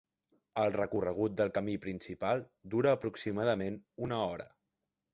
El recorregut del camí principal dura aproximadament una hora.